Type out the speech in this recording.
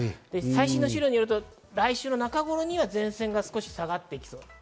最新の資料によると来週中頃には前線が少し下がってきそうです。